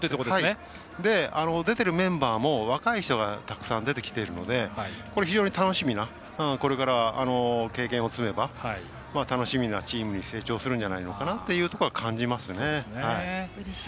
出てるメンバーも若い人がたくさん出てきているのでこれ、非常に楽しみなこれから経験を積めば楽しみなチームに成長するんじゃないかなというのは感じますね。